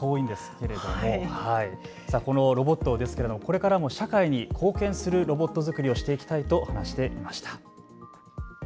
このロボットですがこれからも社会に貢献するロボットづくりをしていきたいと話していました。